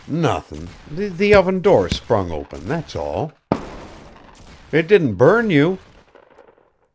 "Nothin'. The oven door sprung open, that's all." "It didn't burn you?"